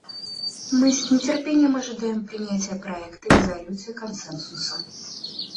Мы с нетерпением ожидаем принятия проекта резолюции консенсусом.